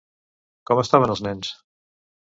Com estaven els nens?